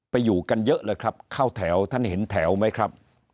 อยู่กันเยอะเลยครับเข้าแถวท่านเห็นแถวไหมครับ